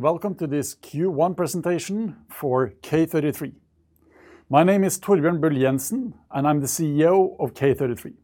Welcome to this Q1 presentation for K33. My name is Torbjørn Bull Jenssen, and I'm the CEO of K33.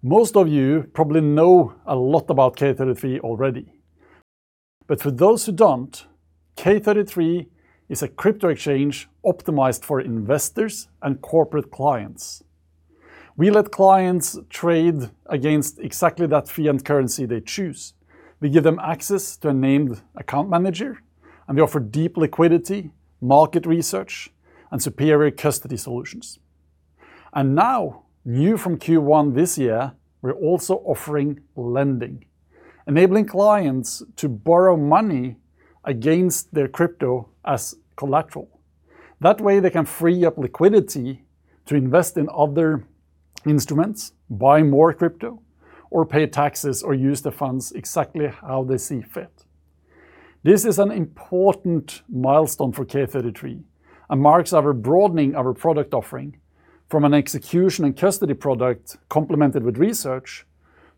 Most of you probably know a lot about K33 already, but for those who don't, K33 is a crypto exchange optimized for investors and corporate clients. We let clients trade against exactly that fiat currency they choose. We give them access to a named account manager, and we offer deep liquidity, market research, and superior custody solutions. Now, new from Q1 this year, we're also offering lending, enabling clients to borrow money against their crypto as collateral. That way, they can free up liquidity to invest in other instruments, buy more crypto, or pay taxes, or use the funds exactly how they see fit. This is an important milestone for K33 and marks our broadening of our product offering from an execution and custody product complemented with research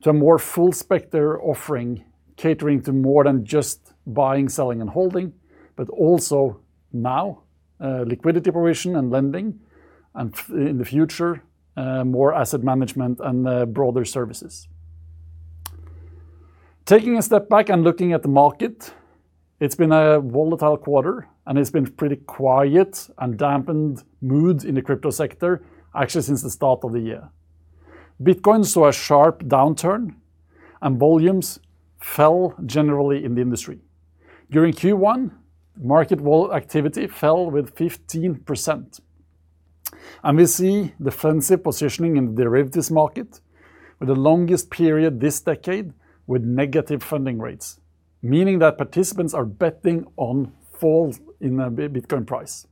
to a more full-specter offering catering to more than just buying, selling, and holding, but also now liquidity provision and lending and, in the future, more asset management and broader services. Taking a step back and looking at the market, it's been a volatile quarter, and it's been pretty quiet and dampened mood in the crypto sector actually since the start of the year. Bitcoin saw a sharp downturn, and volumes fell generally in the industry. During Q1, market activity fell with 15%, and we see defensive positioning in the derivatives market for the longest period this decade with negative funding rates, meaning that participants are betting on falls in the Bitcoin price.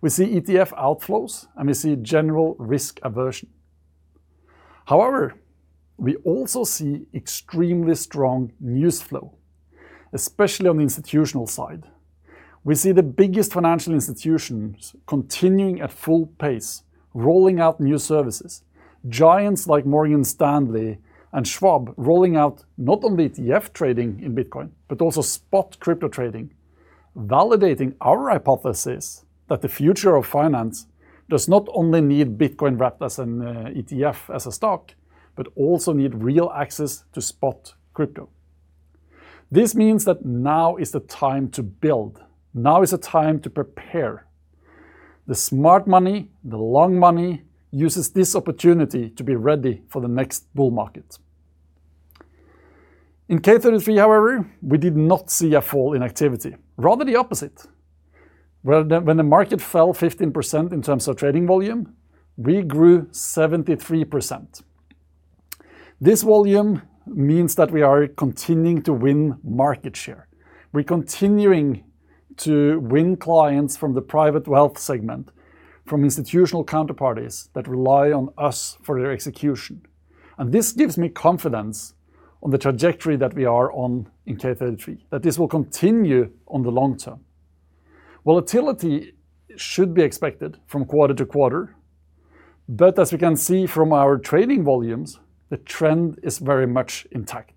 We see ETF outflows, and we see general risk aversion. We also see extremely strong news flow, especially on the institutional side. We see the biggest financial institutions continuing at full pace, rolling out new services, giants like Morgan Stanley and Schwab rolling out not only ETF trading in Bitcoin, but also spot crypto trading, validating our hypothesis that the future of finance does not only need Bitcoin wrapped as an ETF as a stock, but also need real access to spot crypto. This means that now is the time to build. Now is the time to prepare. The smart money, the long money, uses this opportunity to be ready for the next bull market. In K33, however, we did not see a fall in activity, rather the opposite. When the market fell 15% in terms of trading volume, we grew 73%. This volume means that we are continuing to win market share. We're continuing to win clients from the private wealth segment, from institutional counterparties that rely on us for their execution. This gives me confidence on the trajectory that we are on in K33, that this will continue on the long term. Volatility should be expected from quarter to quarter, but as we can see from our trading volumes, the trend is very much intact.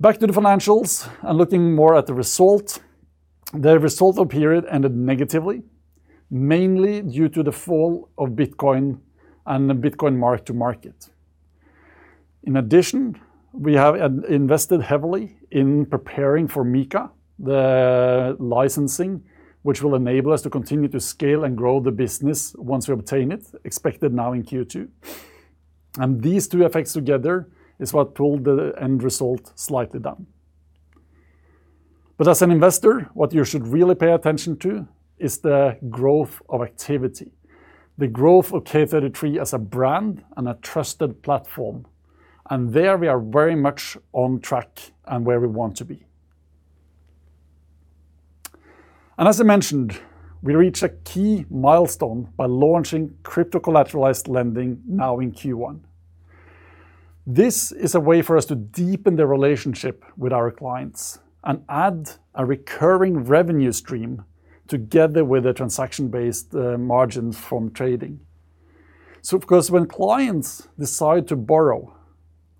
Back to the financials and looking more at the result, the result of period ended negatively, mainly due to the fall of Bitcoin and the Bitcoin mark-to-market. In addition, we have invested heavily in preparing for MiCA, the licensing, which will enable us to continue to scale and grow the business once we obtain it, expected now in Q2. These 2 effects together is what pulled the end result slightly down. As an investor, what you should really pay attention to is the growth of activity, the growth of K33 as a brand and a trusted platform, and there we are very much on track and where we want to be. As I mentioned, we reached a key milestone by launching crypto-collateralized lending now in Q1. This is a way for us to deepen the relationship with our clients and add a recurring revenue stream together with the transaction-based margins from trading. Of course, when clients decide to borrow,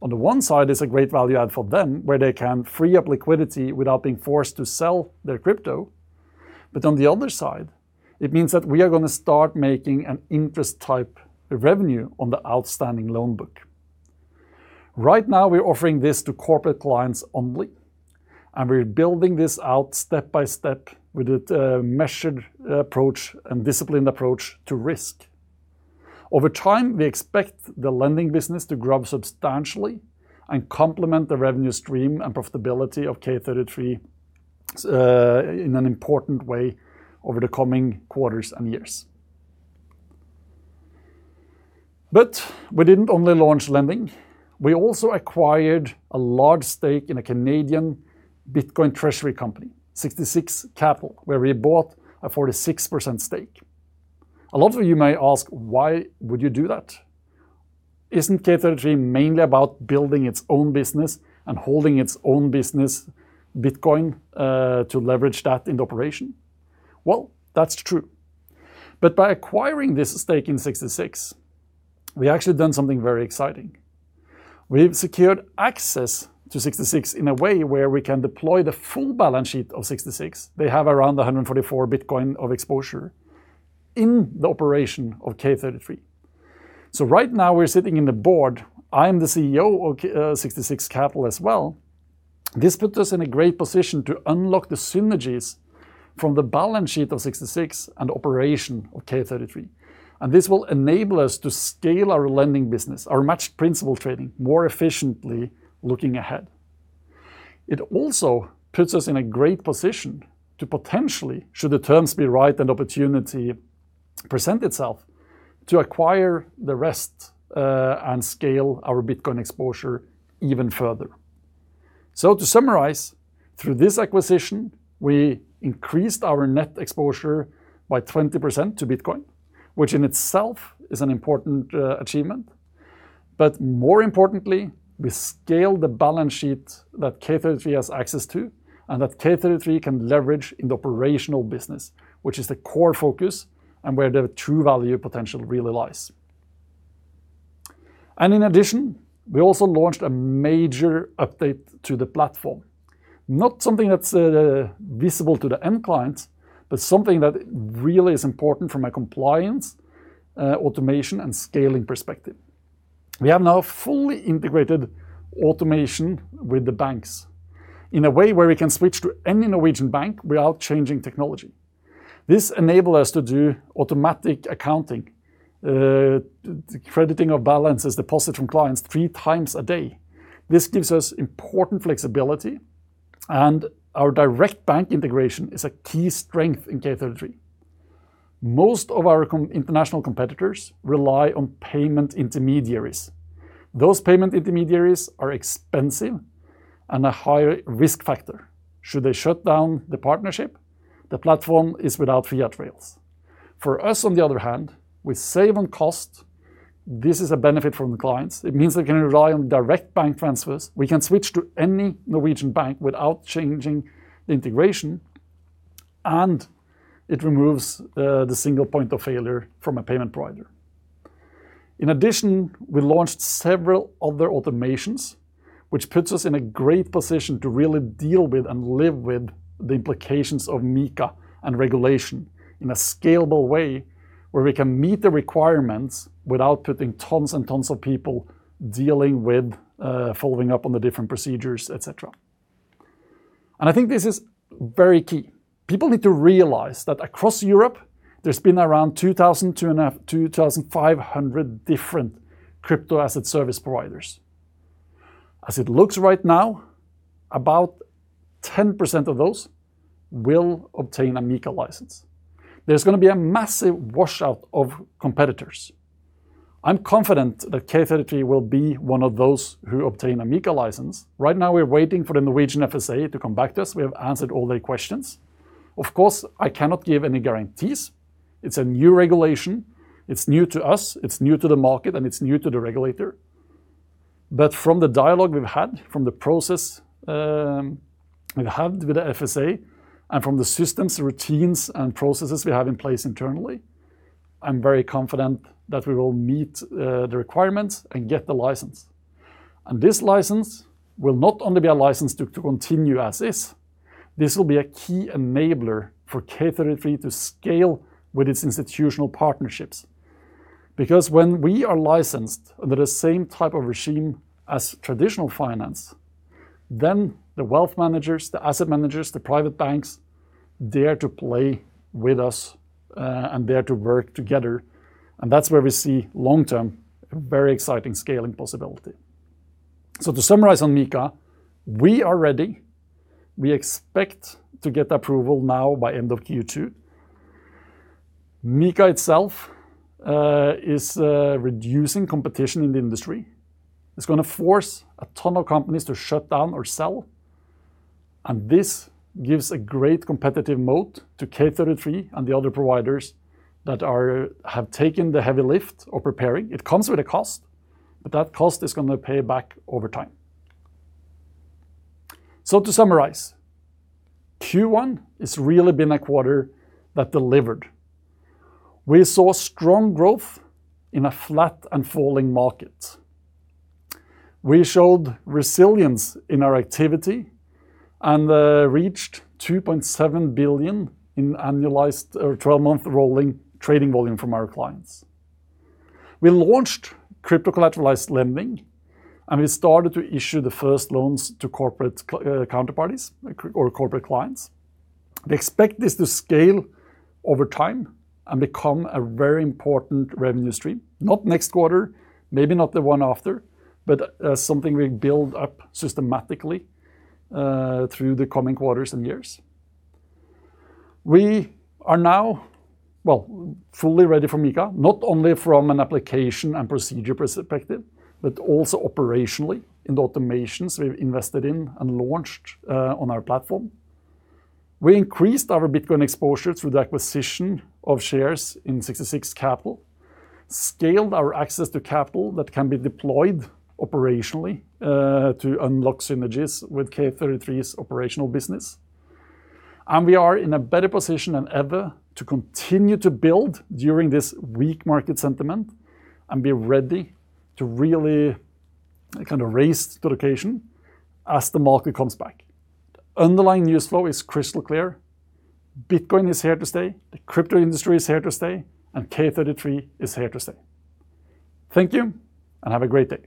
on the one side, it's a great value add for them where they can free up liquidity without being forced to sell their crypto. On the other side, it means that we are going to start making an interest type revenue on the outstanding loan book. Right now we're offering this to corporate clients only, and we're building this out step by step with a measured approach and disciplined approach to risk. Over time, we expect the lending business to grow substantially and complement the revenue stream and profitability of K33 in an important way over the coming quarters and years. We didn't only launch lending. We also acquired a large stake in a Canadian Bitcoin treasury company, Sixty Six Capital, where we bought a 46% stake. A lot of you may ask, why would you do that? Isn't K33 mainly about building its own business and holding its own business Bitcoin to leverage that in the operation? Well, that's true. By acquiring this stake in Sixty Six we've actually done something very exciting. We've secured access to Sixty Six in a way where we can deploy the full balance sheet of Sixty Six. They have around 144 Bitcoin of exposure in the operation of K33. Right now we're sitting in the board. I'm the CEO of Sixty Six Capital as well. This put us in a great position to unlock the synergies from the balance sheet of Sixty Six and operation of K33. This will enable us to scale our lending business, our matched principal trading, more efficiently looking ahead. It also puts us in a great position to potentially, should the terms be right and opportunity present itself, to acquire the rest, and scale our Bitcoin exposure even further. To summarize, through this acquisition, we increased our net exposure by 20% to Bitcoin, which in itself is an important achievement. More importantly, we scaled the balance sheet that K33 has access to and that K33 can leverage in the operational business, which is the core focus and where the true value potential really lies. In addition, we also launched a major update to the platform. Not something that's visible to the end client, but something that really is important from a compliance, automation, and scaling perspective. We have now fully integrated automation with the banks in a way where we can switch to any Norwegian bank without changing technology. This enable us to do automatic accounting, the crediting of balances deposit from clients three times a day. This gives us important flexibility. Our direct bank integration is a key strength in K33. Most of our international competitors rely on payment intermediaries. Those payment intermediaries are expensive and a higher risk factor. Should they shut down the partnership, the platform is without fiat rails. For us, on the other hand, we save on cost. This is a benefit for the clients. It means they can rely on direct bank transfers. We can switch to any Norwegian bank without changing the integration, and it removes the single point of failure from a payment provider. In addition, we launched several other automations, which puts us in a great position to really deal with and live with the implications of MiCA and regulation in a scalable way, where we can meet the requirements without putting tons and tons of people dealing with following up on the different procedures, et cetera. I think this is very key. People need to realize that across Europe, there's been around 2,000 to 2,500 different crypto asset service providers. As it looks right now, about 10% of those will obtain a MiCA license. There's going to be a massive washout of competitors. I'm confident that K33 will be one of those who obtain a MiCA license. Right now we're waiting for the Norwegian FSA to come back to us. We have answered all their questions. Of course, I cannot give any guarantees. It's a new regulation. It's new to us, it's new to the market, and it's new to the regulator. From the dialogue we've had, from the process we've had with the FSA, and from the systems, routines, and processes we have in place internally, I'm very confident that we will meet the requirements and get the license. This license will not only be a license to continue as is, this will be a key enabler for K33 to scale with its institutional partnerships because when we are licensed under the same type of regime as traditional finance, then the wealth managers, the asset managers, the private banks dare to play with us, and dare to work together. That's where we see long-term very exciting scaling possibility. To summarize on MiCA, we are ready. We expect to get approval now by end of Q2. MiCA itself is reducing competition in the industry. It's going to force a ton of companies to shut down or sell, and this gives a great competitive moat to K33 and the other providers that have taken the heavy lift of preparing. It comes with a cost, but that cost is going to pay back over time. To summarize, Q1 has really been a quarter that delivered. We saw strong growth in a flat and falling market. We showed resilience in our activity and reached 2.7 billion in annualized or 12-month rolling trading volume from our clients. We launched crypto-collateralized lending, and we started to issue the first loans to corporate counterparties or corporate clients. We expect this to scale over time and become a very important revenue stream. Not next quarter, maybe not the one after, but something we build up systematically through the coming quarters and years. We are now, well, fully ready for MiCA, not only from an application and procedure perspective, but also operationally in the automations we've invested in and launched on our platform. We increased our Bitcoin exposure through the acquisition of shares in Sixty Six Capital, scaled our access to capital that can be deployed operationally to unlock synergies with K33's operational business. We are in a better position than ever to continue to build during this weak market sentiment and be ready to really raise the allocation as the market comes back. The underlying news flow is crystal clear. Bitcoin is here to stay. The crypto industry is here to stay, and K33 is here to stay. Thank you, and have a great day.